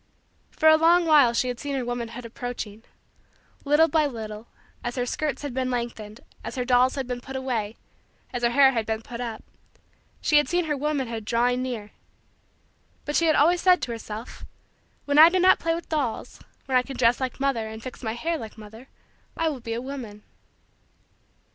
For a long while she had seen her womanhood approaching. Little by little, as her skirts had been lengthened, as her dolls had been put away, as her hair had been put up, she had seen her womanhood drawing near. But she had always said to herself: "when I do not play with dolls, when I can dress like mother, and fix my hair like mother, I will be a woman."